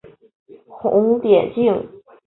红点镜。